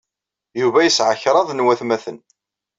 Yuba yesɛa kraḍ n waytmaten.